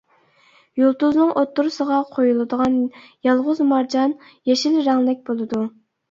يۇلتۇزنىڭ ئوتتۇرىسىغا قويۇلىدىغان يالغۇز مارجان يېشىل رەڭلىك بولىدۇ.